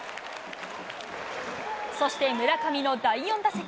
そして村上の第４打席。